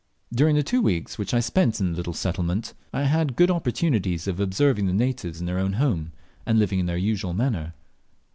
During the two weeks which I spent in this little settlement, I had good opportunities of observing the natives at their own home, and living in their usual manner.